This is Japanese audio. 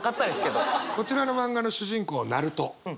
こちらの漫画の主人公ナルト。